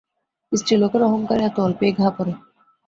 স্ত্রীলোকের অহংকারে এত অল্পেই ঘা পড়ে।